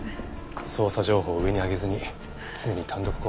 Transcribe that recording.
捜査情報を上に上げずに常に単独行動ばかり。